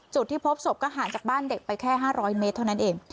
จุดที่พบศพก็ห่างจากบ้านเด็กไปแค่๕๐๐เมตรเท่านั้นเอง